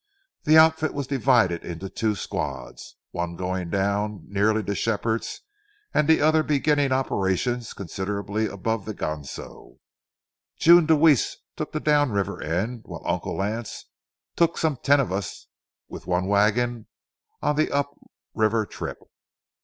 The outfit was divided into two squads, one going down nearly to Shepherd's, and the other beginning operations considerably above the Ganso. June Deweese took the down river end, while Uncle Lance took some ten of us with one wagon on the up river trip.